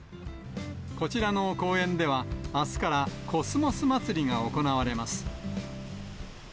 こちらの公園では、あすからコスモスまつりが行われます。